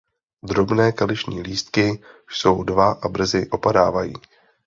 Drobné kališní lístky jsou dva a brzy opadávají.